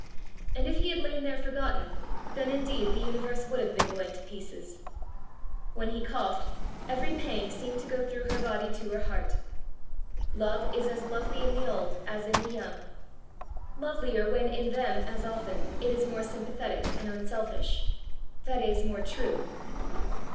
And if he had lain there forgotten, then indeed the universe would have been going to pieces! When he coughed, every pang seemed to go through her body to her heart. Love is as lovely in the old as in the young lovelier when in them, as often, it is more sympathetic and unselfish that is, more true.